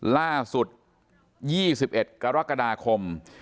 ล่าสุด๒๑กรกฎาคม